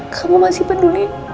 kamu masih peduli